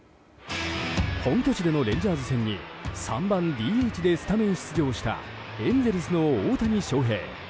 本拠地でのレンジャーズ戦に３番ＤＨでスタメン出場したエンゼルスの大谷翔平。